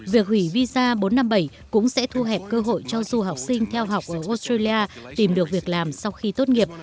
việc hủy visa bốn trăm năm mươi bảy cũng sẽ thu hẹp cơ hội cho du học sinh theo học ở australia tìm được việc làm sau khi tốt nghiệp